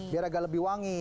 biar agak lebih wangi